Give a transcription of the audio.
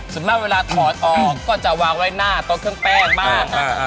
ส่วนมากเวลาถอดออกก็จะวางไว้หน้าโต๊ะเครื่องแป้งบ้าง